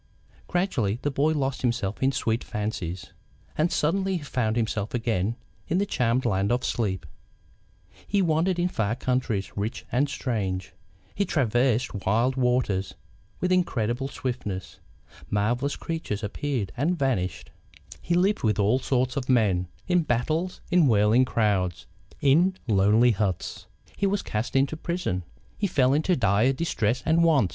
Gradually the boy lost himself in sweet fancies, and suddenly he found himself again, in the charmed land of sleep. He wandered in far countries, rich and strange; he traversed wild waters with incredible swiftness; marvellous creatures appeared and vanished; he lived with all sorts of men, in battles, in whirling crowds, in lonely huts. He was cast into prison. He fell into dire distress and want.